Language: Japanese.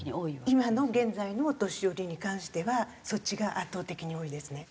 今の現在のお年寄りに関してはそっちが圧倒的に多いですね。